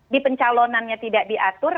di pencalonannya tidak diatur